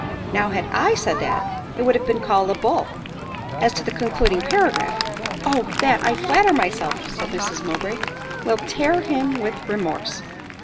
Now, had I said that, it would have been called a bull. As to the concluding paragraph " "O! that, I flatter myself," said Mrs Mowbray, " will tear him with remorse."